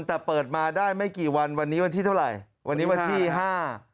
แต่เปิดมาได้ไม่กี่วันวันนี้วันที่เท่าไหร่วันนี้วันที่ห้า